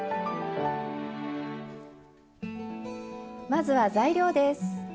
まずは材料です。